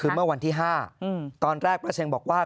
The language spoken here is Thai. คือเมื่อวันที่๕ตอนแรกพระเชงบอกว่า